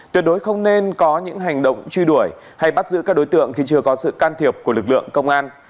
tuyệt đối không nên có những hành động truy đuổi hay bắt giữ các đối tượng khi chưa có sự can thiệp của lực lượng công an